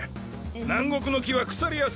南国の木は腐りやすい。